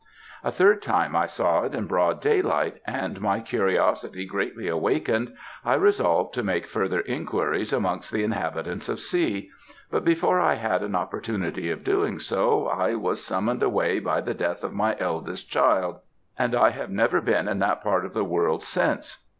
A third time, I saw it in broad daylight, and my curiosity greatly awakened, I resolved to make further inquiries amongst the inhabitants of C., but before I had an opportunity of doing so, I was summoned away by the death of my eldest child, and I have never been in that part of the world since.